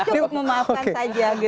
cukup memaafkan saja gitu